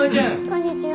こんにちは。